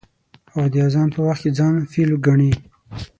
او د اذان په وخت کې ځان فيل گڼي.